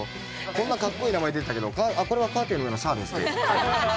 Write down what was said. こんなかっこいい名前出てたけどこれはカーテンの上のシャーですって。